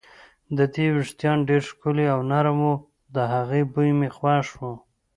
د دې وېښتان ډېر ښکلي او نرم وو، د هغې بوی مې خوښ و.